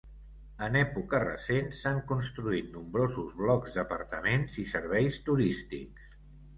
En època recent s'han construït nombrosos blocs d'apartaments i serveis turístics.